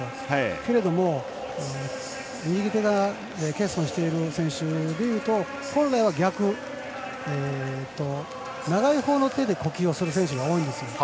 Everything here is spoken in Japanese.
けれども右手が欠損している選手でいうと本来は逆、長いほうの手で呼吸をする選手が多いんです。